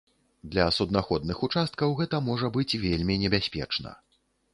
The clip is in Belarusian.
Для суднаходных участкаў гэта можа быць вельмі небяспечна.